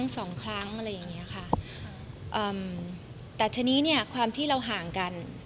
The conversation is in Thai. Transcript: สองครั้งอะไรอย่างเงี้ยค่ะเอ่อแต่ทีนี้เนี่ยความที่เราห่างกัน